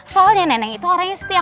soalnya neneng itu orangnya setiap